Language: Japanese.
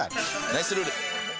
ナイスルール。